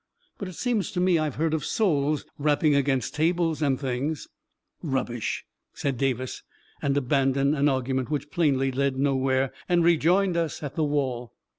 But it seems to me I have heard of souls rapping against tables and things." " Rubbish I " said Davis, and abandoned an argu ment which plainly led nowhere, and rejoined us at the wall.